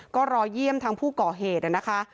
ก็รอเยี่ยมทางผู้ก่อเหตุนะคะ